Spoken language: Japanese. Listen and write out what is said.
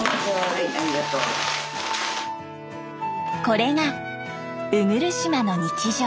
これが鵜来島の日常。